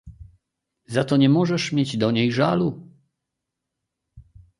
"Za to nie możesz mieć do niej żalu."